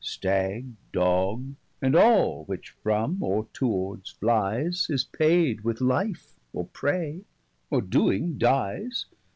Stagge, dogge, and all which from, or towards flies, 45 Is paid with life, or pray, or doing dyes.